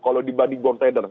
kalau dibanding bond trader